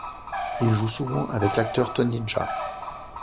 Il joue souvent avec l'acteur Tony Jaa.